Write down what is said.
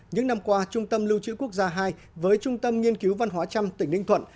những năm qua trung tâm lưu trữ quốc gia hai với trung tâm nghiên cứu văn hóa trăm tỉnh ninh thuận